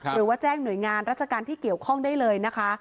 หรือว่าแจ้งหน่วยงานราชการที่เกี่ยวข้องได้เลยนะคะ